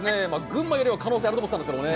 群馬よりは可能性あると思ってたんですけどね。